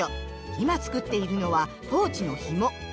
今作っているのはポーチのひも。